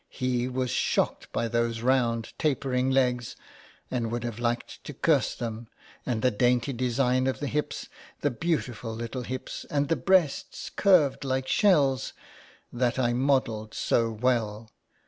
He was shocked by those round tapering legs ; and would have liked to curse them ; and the dainty design of the hips, the beautiful little hips, and the breasts curved like shells, that I modelled so well.